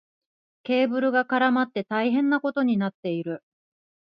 ケーブルが絡まって大変なことになっている。